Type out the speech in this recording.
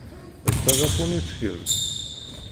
D tajapunit kemm?